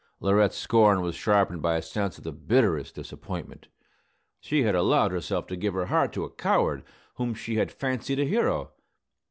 Laurette's scorn was sharpened by a sense of the bitterest disappointment. She had allowed herself to give her heart to a coward, whom she had fancied a hero.